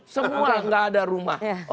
semua tidak ada rumah